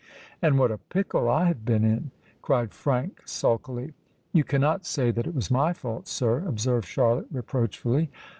"And what a pickle I have been in!" cried Frank sulkily. "You cannot say that it was my fault, sir," observed Charlotte reproachfully.